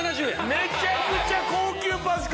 めちゃくちゃ高級パック！